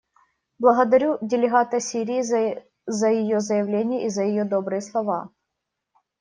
Благодарю делегата Сирии за ее заявление и за ее добрые слова.